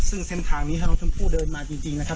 ซึ่งเส้นทางนี้ถ้าน้องชมพู่เดินมาจริงนะครับ